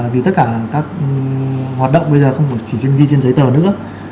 vì tất cả các hoạt động bây giờ không chỉ ghi trên giấy tờ nữa